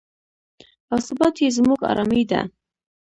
او ثبات یې زموږ ارامي ده.